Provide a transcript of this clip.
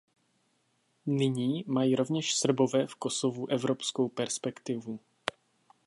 Nyní mají rovněž Srbové v Kosovu evropskou perspektivu.